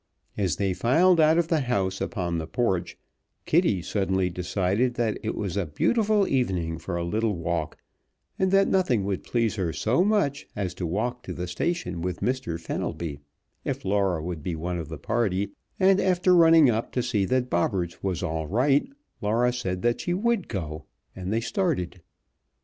As they filed out of the house upon the porch, Kitty suddenly decided that it was a beautiful evening for a little walk, and that nothing would please her so much as to walk to the station with Mr. Fenelby, if Laura would be one of the party, and after running up to see that Bobberts was all right, Laura said that she would go, and they started.